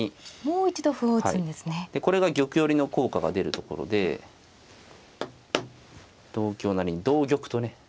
これが玉寄りの効果が出るところで同香成に同玉とね。